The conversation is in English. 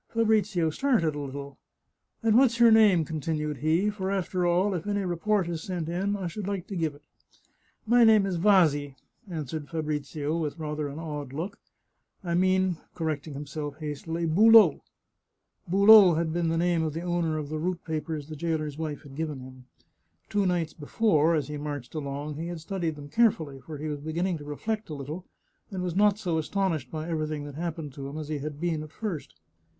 Fabrizio started a little. " And what's your name ?" continued he. " For, after all, if any report is sent in, I should like to give it." " My name is Vasi," answered Fabrizio, with rather an odd look. " I mean," correcting himself hastily, " Boulot." Boulot had been the name of the owner of the route papers the jailer's wife had given him. Two nights before, as he marched along, he had studied them carefully, for he was beginning to reflect a little, and was not so astonished by everything that happened to him as he had been at first.